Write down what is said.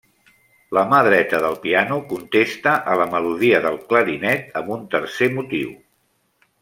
La mà dreta del piano contesta a la melodia del clarinet amb un tercer motiu.